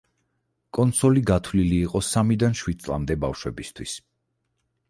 კონსოლი გათვლილი იყო სამიდან შვიდ წლამდე ბავშვებისთვის.